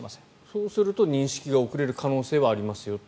そうすると認識が遅れる可能性がありますよと。